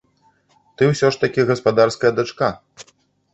Ты ўсё ж такі гаспадарская дачка.